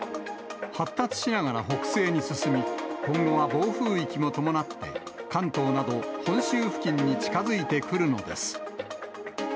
発達しながら北西に進み、今後は暴風域も伴って、関東など本州付近に近づいてくるのです。